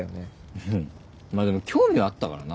うんまぁでも興味はあったからな。